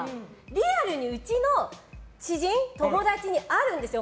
リアルにうちの知人、友達にあるんですよ。